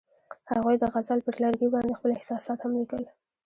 هغوی د غزل پر لرګي باندې خپل احساسات هم لیکل.